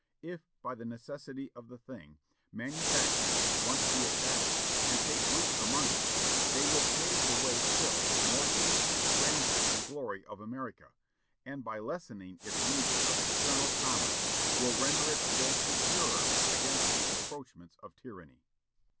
If, by the necessity of the thing, manufactures should once be established, and take root among us, they will pave the way still more to the future grandeur and glory of America; and, by lessening its need of external commerce, will render it still securer against the encroachments of tyranny."